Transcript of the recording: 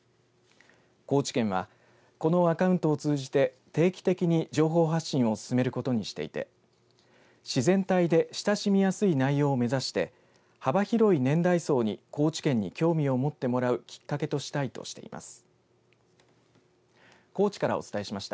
高知県はこのアカウントを通じて定期的に情報発信を進めることにしていて自然体で親しみやすい内容を目指して幅広い年代層に高知県に興味を持ってもらうきっかけとしたいとしています。